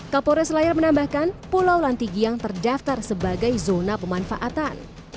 kapolres layar menambahkan pulau lantigiang terdaftar sebagai zona pemanfaatan